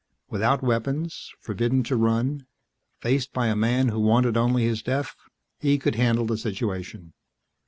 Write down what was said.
Without weapons, forbidden to run, faced by a man who wanted only his death, he could handle the situation.